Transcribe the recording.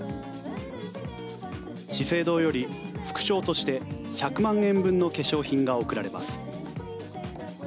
資生堂より副賞として１００万円分の化粧品が贈られます。